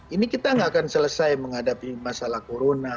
ini kita nggak akan selesai menghadapi masalah corona